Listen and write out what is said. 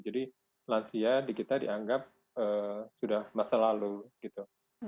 jadi lansia di kita dianggap sudah masa lalu gitu